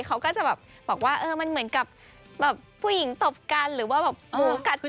เขาก็จะบอกว่ามันเหมือนกับผู้หญิงตบกันหรือว่าโมกัดกัน